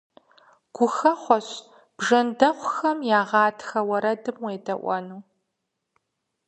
Гухэхъуэщ бжэндэхъухэм я гъатхэ уэрэдым уедэӀуэну!